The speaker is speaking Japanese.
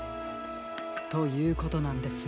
ということなんです。